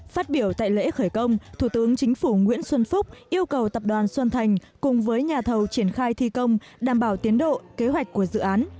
phát biểu tại lễ khởi công thủ tướng chính phủ nguyễn xuân phúc yêu cầu tập đoàn xuân thành cùng với nhà thầu triển khai thi công đảm bảo tiến độ kế hoạch của dự án